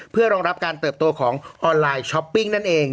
เพื่อรองรับการเติบโตของออนไลน์ช้อปปิ้งนั่นเอง